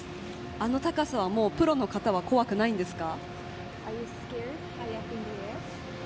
あの高さはプロの方は怖くないんですか。